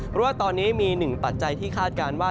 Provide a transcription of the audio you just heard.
เพราะว่าตอนนี้มีหนึ่งปัจจัยที่คาดการณ์ว่า